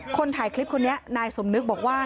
คนถ่ายคลิปคนนี้นายสมนึกบอกว่า